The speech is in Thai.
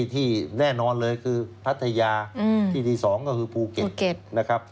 ที่แน่นอนเลยคือพัทยาที่ที่๒ก็คือภูเก็ตนะครับ